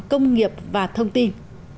công nghiệp và thông tin